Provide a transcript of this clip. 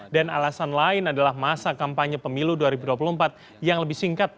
dan alasan lain adalah masa kampanye pemilu dua ribu dua puluh empat yang lebih singkat